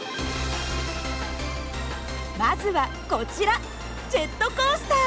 まずはこちらジェットコースター。